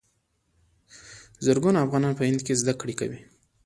زرګونه افغانان په هند کې زده کړې کوي.